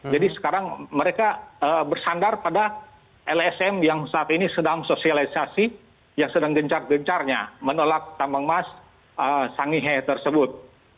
jadi sekarang mereka bersandar pada lsm yang saat ini sedang sosialisasi yang sedang gencar gencarnya menolak tambang emas sangihe tersebut